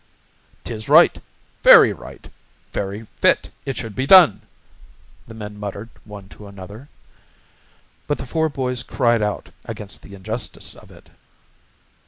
"'Tis right." "Very right." "Very fit it should be done," the men muttered one to another. But the four boys cried out against the injustice of it.